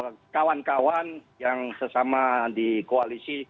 kalau kawan kawan yang sesama di koalisi